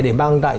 để mang lại